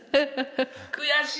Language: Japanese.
悔しい！